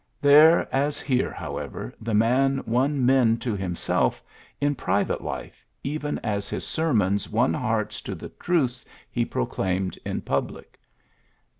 There as here, however, the man won men to himself in private life, even as his sermons won hearts to the truths he proclaimed in public.